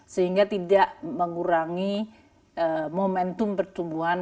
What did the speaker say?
sehingga tidak mengurangi momentum pertumbuhan